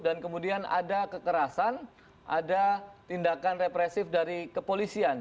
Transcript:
dan kemudian ada kekerasan ada tindakan represif dari kepolisian